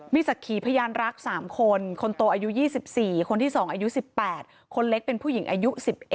มีศักดิ์ขีพยานรัก๓คนคนโตอายุ๒๔คนที่๒อายุ๑๘คนเล็กเป็นผู้หญิงอายุ๑๑